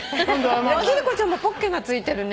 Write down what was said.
貴理子ちゃんもポッケがついてるね。